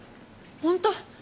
ホント？